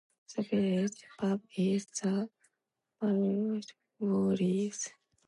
The village pub is the Burghwallis.